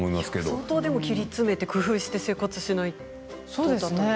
相当、切り詰めて工夫して生活しないと。